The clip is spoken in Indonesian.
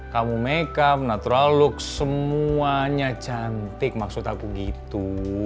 kamu makeup natural look semuanya cantik maksud aku gitu